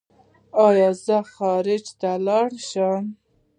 ایا زه خارج ته لاړ شم؟